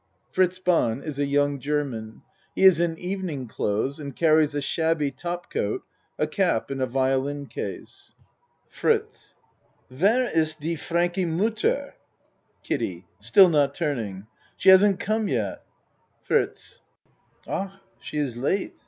(Fritz Bahn is a young German. He is in even ing clothes and carries a shabby top coat, a cap and a violin case.) FRITZ Where is de Frankie mutter? KIDDIE (Still not turning.) She hasn't come yet. ACT I o FRITZ Ach ! She is late.